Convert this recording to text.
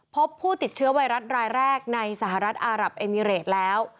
พบผู้ติดเชื้อไวรัสรายแรกในสหรัฐอารับเอมิเรตแล้ว